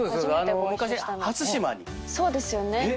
そうですよね。